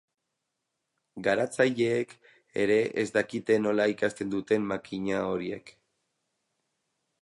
Garatzaileek ere ez dakite nola ikasten duten makina horiek.